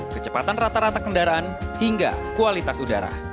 kecepatan rata rata kendaraan hingga kualitas udara